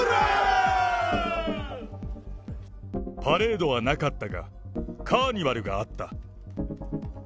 パレードはなかったが、カーニバルがあった。